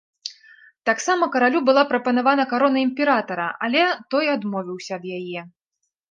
Таксама каралю была прапанавана карона імператара, але той адмовіўся ад яе.